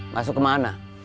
masuk ke mana